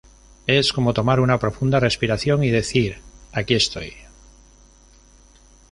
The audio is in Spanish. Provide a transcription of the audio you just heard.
Es como tomar una profunda respiración y decir: 'Aquí estoy.